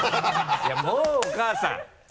いやもうお母さん！